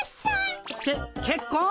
けけっこん！？